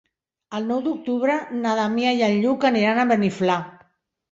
El nou d'octubre na Damià i en Lluc aniran a Beniflà.